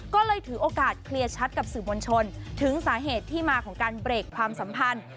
ก็เลยถือโอกาสเคลียร์ชัดกับสื่อมวลชนถึงสาเหตุที่มาของการเบรกความสัมพันธ์